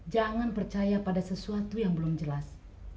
jangan percaya pada sesuatu yang belum jelas